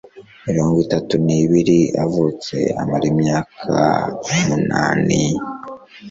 mirongo itatu n ibiri avutse amara imyaka munani